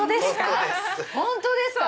本当ですか？